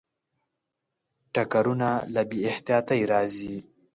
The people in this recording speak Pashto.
ټکرونه له بې احتیاطۍ راځي.